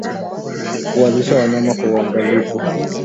Kuwalisha wanyama kwa uangalifu